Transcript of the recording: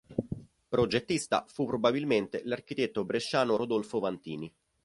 Progettista fu probabilmente l'architetto bresciano Rodolfo Vantini.